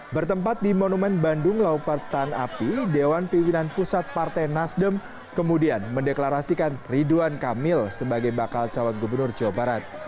bertempat di monumen bandung lautan api dewan pimpinan pusat partai nasdem kemudian mendeklarasikan ridwan kamil sebagai bakal calon gubernur jawa barat